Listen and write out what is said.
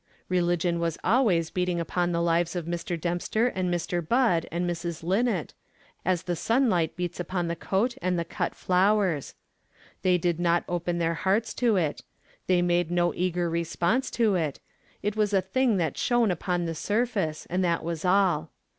Religion was always beating upon the lives of Mr. Dempster and Mr. Budd and Mrs. Linnett, as the sunlight beats upon the coat and the cut flowers. They did not open their hearts to it; they made no eager response to it; it was a thing that shone upon the surface, and that was all.